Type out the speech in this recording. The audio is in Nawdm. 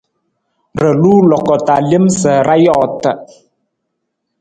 Ra luu loko ta lem sa ra joota.